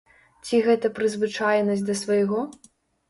Ці гэта прызвычаенасць да свайго?